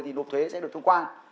thì nộp thuế sẽ được thông quan